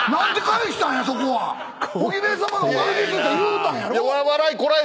「おヘビ様のおかげです」って言うたんやろ？